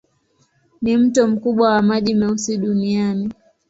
Ni mto mkubwa wa maji meusi duniani.